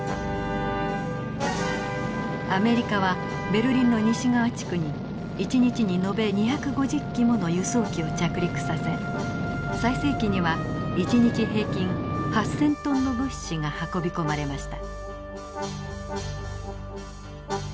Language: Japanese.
アメリカはベルリンの西側地区に一日に延べ２５０機もの輸送機を着陸させ最盛期には一日平均８，０００トンの物資が運び込まれました。